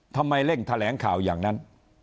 ทำไมเร่งแถลงข่าวอย่างนั้น